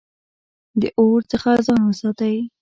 د اور څخه ځان وساتئ